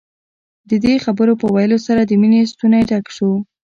د دې خبرو په ويلو سره د مينې ستونی ډک شو.